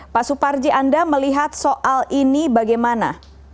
pak suparji anda melihat soal ini bagaimana